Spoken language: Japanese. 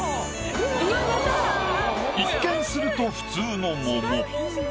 一見すると普通の桃。